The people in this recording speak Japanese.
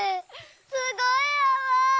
すごいあわ！